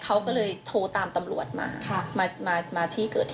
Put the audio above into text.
เขาก็เลยโทรตามตำรวจมา